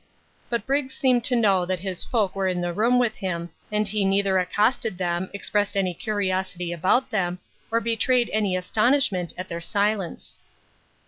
But Briggs seemed to know that his folk were in the room with him, and he neither accosted them, expressed any curiosity about them, or betrayed any astonishment at their silence.